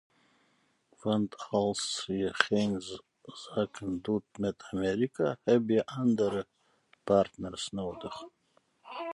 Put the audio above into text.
Want als je geen zaken doet met Amerika heb je andere partners nodig.